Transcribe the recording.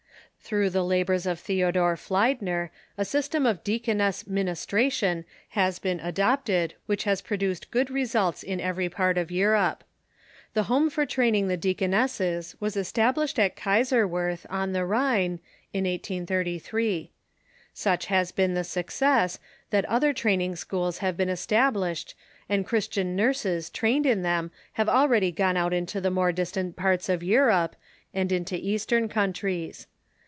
Through the labors of Theodor Fliedncr a system of dea coness ministration has been adopted Avhich has produced good 27 418 THE MODERN CUUKCII results iu every part of Europe. The home for training the deaconesses was established at Kaiserswerth, on the Rhine, in 1833. Such has been the success that other train The Deaconesses i„(r.schools have been established, and Christian of Germany ^_' nurses trained in them have already gone out into the more distant parts of Europe, and into Eastern coun tries.